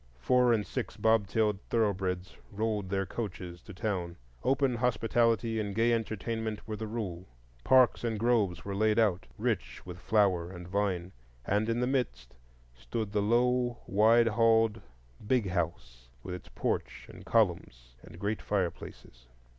Four and six bobtailed thoroughbreds rolled their coaches to town; open hospitality and gay entertainment were the rule. Parks and groves were laid out, rich with flower and vine, and in the midst stood the low wide halled "big house," with its porch and columns and great fireplaces.